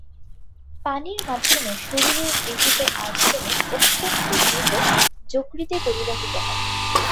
পানির মাধ্যমে শরীরে গৃহীত আর্সেনিক অত্যন্ত দ্রুত যকৃতে পরিবাহিত হয়।